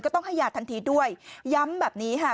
ต้องให้ยาทันทีด้วยย้ำแบบนี้ค่ะ